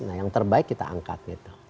nah yang terbaik kita angkat gitu